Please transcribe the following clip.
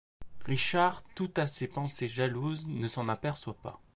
Richard tout à ses pensées jalouses ne s'en aperçoit pas.